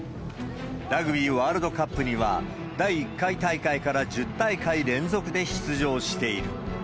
ラグビーワールドカップには、第１回大会から１０回大会連続で出場している。